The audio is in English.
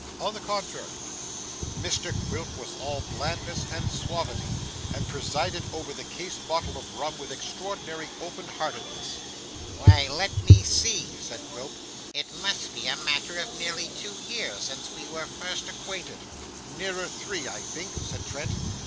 On the contrary, Mr Quilp was all blandness and suavity, and presided over the case bottle of rum with extraordinary open heartedness. 'Why, let me see,' said Quilp. 'It must be a matter of nearly two years since we were first acquainted.' 'Nearer three, I think,' said Trent.